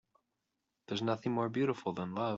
There's nothing more beautiful than love.